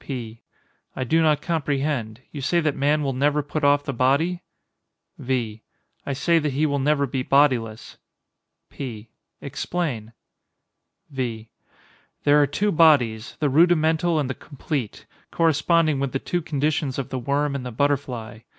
P. I do not comprehend. You say that man will never put off the body? V. I say that he will never be bodiless. P. Explain. V. There are two bodies—the rudimental and the complete; corresponding with the two conditions of the worm and the butterfly.